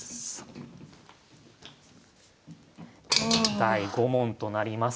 第５問となります。